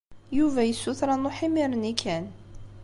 Yuba yessuter ad nṛuḥ imir-nni kan.